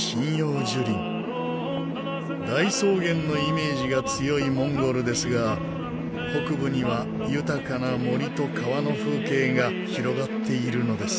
大草原のイメージが強いモンゴルですが北部には豊かな森と川の風景が広がっているのです。